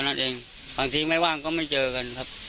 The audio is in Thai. นั่นเองบางทีไม่ว่างก็ไม่เจอกันครับ